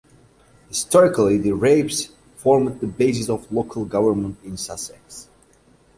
Historically the rapes formed the basis of local government in Sussex.